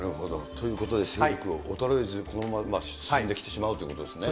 ということで勢力が衰えずこのまま進んできてしまうということですね。